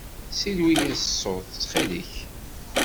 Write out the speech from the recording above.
Silwi-yas ṣṣut, ttxil-k.